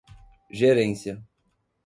gerência